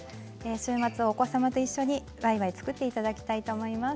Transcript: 週末、お子様と一緒にわいわい作っていただきたいと思います。